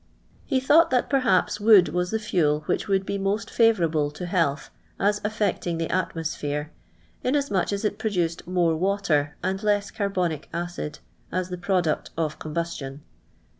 He thought that perhaps wood was the fuel which would be most favourable to health as affecting the atmosphere, inasmuch as it produced more water, and less carbonic acid, as the product of combustion.